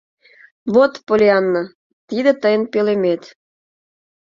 — Вот, Поллианна, тиде тыйын пӧлемет.